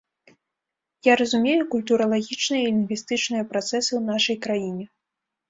Я разумею культуралагічныя і лінгвістычныя працэсы ў нашай краіне.